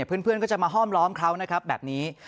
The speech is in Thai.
เพื่อนก็จะมาห้อมล้อมเขานะครับแบบนี้